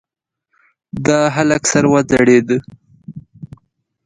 د هلک سر وځړېد.